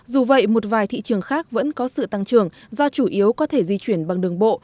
dù vậy một vài thị trường khác vẫn có sự tăng trưởng do chủ yếu có thể di chuyển bằng đường bộ